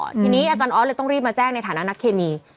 ทีนี้อาจารย์ออสเลยต้องรีบมาแจ้งในฐานะนักเคมี